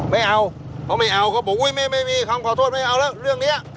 ไม่เอาเขาไม่เอาเขาบอกว่าไม่ขอโทษไม่เอาเรื่องเงี้ย